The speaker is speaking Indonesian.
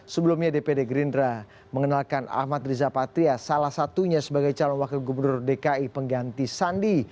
sebelumnya dpd gerindra mengenalkan ahmad riza patria salah satunya sebagai calon wakil gubernur dki pengganti sandi